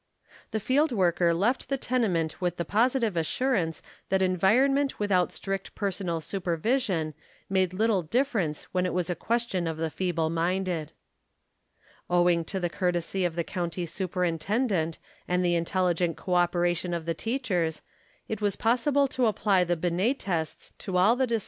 The field worker left the tenement with the positive assurance that environment without strict personal supervision made little difference when it was a ques tion of the feeble minded. Owing to the courtesy of the County Superintendent and the intelligent cooperation of the teachers, it was possible to apply the Binet tests to all the descendants GREAT GRANDCHILDREN OF " OLD SAL."